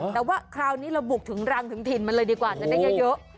แต่ว่าคราวนี้เราบุกถึงรังถึงถิ่นมันเลยดีกว่าจะได้เยอะ